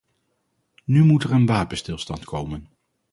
Nu moet er een wapenstilstand komen.